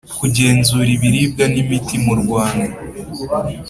kugenzura ibiribwa n imiti mu Rwanda